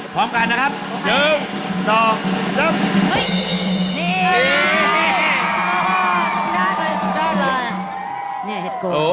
พร้อมกันนะครับ